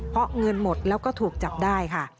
เพราะเงินหมดแล้วก็ถูกจับได้ค่ะ